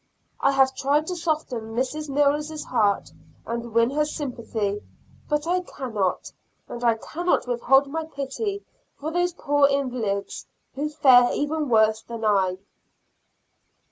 I have tried to soften Mrs. Mills' heart, and win her sympathy, but I cannot, and I cannot withhold my pity for those poor invalids who fare even worse than I.